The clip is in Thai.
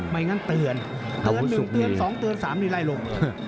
ไม่งั้นเตือนหนึ่งเตือนสองเตือนเนี่ยไล่ลงเลย